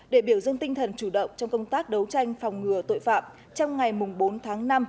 để biểu dưng tinh thần chủ động trong công tác đấu tranh phòng ngừa tội phạm trong ngày bốn tháng năm